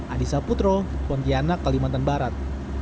adisa putro pontianak kalimantan barat